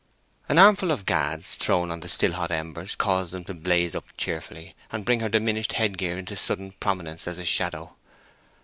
An armful of gads thrown on the still hot embers caused them to blaze up cheerfully and bring her diminished head gear into sudden prominence as a shadow.